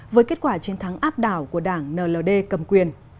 với kết quả chiến thắng áp đảo của đảng nld cầm quyền